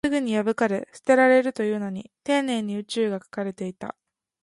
すぐに破かれ、捨てられるというのに、丁寧に宇宙が描かれていた